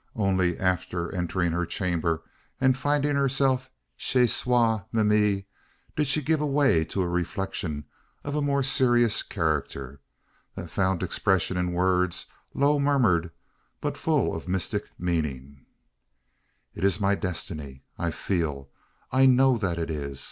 Only after entering her chamber, and finding herself chez soi meme, did she give way to a reflection of a more serious character, that found expression in words low murmured, but full of mystic meaning: "It is my destiny: I feel I know that it is!